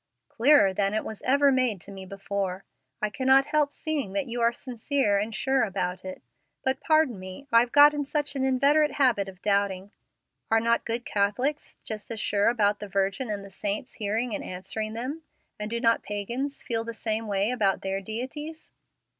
"Clearer than it was ever made to me before. I cannot help seeing that you are sincere and sure about it. But pardon me I've got in such an inveterate habit of doubting are not good Catholics just as sure about the Virgin and the saints hearing and answering them? and do not pagans feel the same way about their deities?"